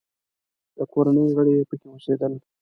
د کورنۍ غړي یې پکې اوسېدل.